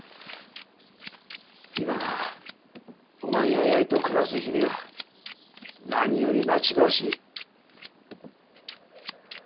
今はお前や八重と暮らす日々が何より待ち遠しい。